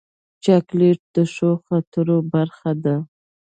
چاکلېټ د ښو خاطرو برخه ده.